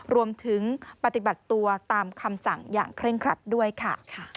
รวมถึงปฏิบัติตัวตามคำสั่งอย่างเคร่งครัดด้วยค่ะ